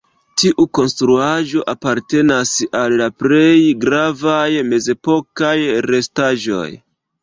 Tiu konstruaĵo apartenas al la plej gravaj mezepokaj restaĵoj.